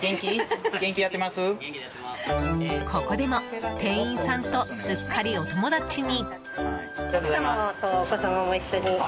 ここでも店員さんとすっかりお友達に。